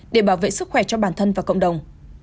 để bảo vệ sức khỏe cho bản thân và cộng đồng